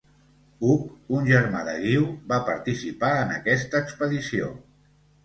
Hug, un germà de Guiu, va participar en aquesta expedició.